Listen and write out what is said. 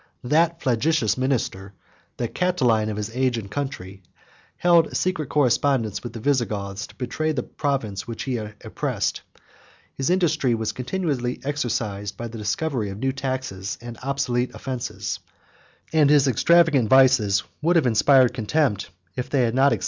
That flagitious minister, the Catiline of his age and country, held a secret correspondence with the Visigoths, to betray the province which he oppressed: his industry was continually exercised in the discovery of new taxes and obsolete offences; and his extravagant vices would have inspired contempt, if they had not excited fear and abhorrence.